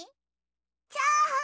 チャーハン！